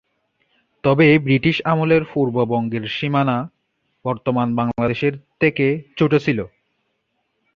তবে ব্রিটিশ আমলের পূর্ববঙ্গের সীমানা বর্তমান বাংলাদেশের থেকে ছোট ছিলো।